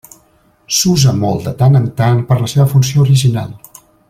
S'usa molt de tant en tant per la seva funció original.